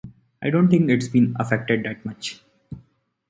I don’t think it’s been affected that much.